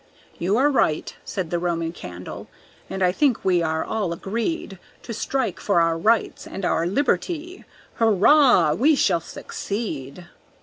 "You are right," said the Roman candle, "and I think we are all agreed To strike for our rights and our liberty. Hurrah! we shall succeed!"